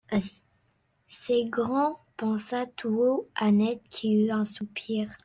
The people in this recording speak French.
C'est grand,» pensa tout haut Annette qui eut un soupir.